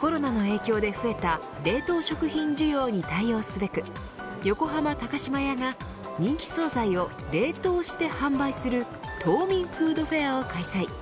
コロナの影響で増えた冷凍食品需要に対応すべく横浜高島屋が人気総菜を冷凍して販売する凍眠フードフェアを開催。